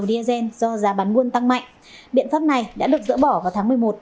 của diazen do giá bán nguồn tăng mạnh biện pháp này đã được dỡ bỏ vào tháng một mươi một